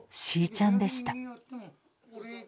ちゃんでした。